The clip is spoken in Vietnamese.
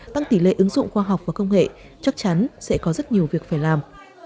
tăng tỷ lệ ứng dụng khoa học và công nghệ chắc chắn sẽ có rất nhiều việc phải làm